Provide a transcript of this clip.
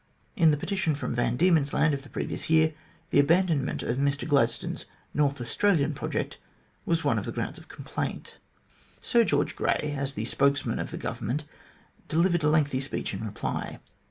In the petition from Van Diemen's Land of the previous year, the abandonment of Mr Gladstone's North Australian project was one of the grounds of complaint. Sir George Grey, as the spokesman of the Government, delivered a lengthy speech in reply.